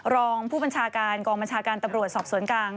รองผู้บัญชาการกองบัญชาการตำรวจสอบสวนกลาง